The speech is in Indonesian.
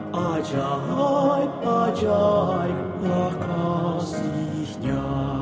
setelah malaikat malaikat itu meninggalkan mereka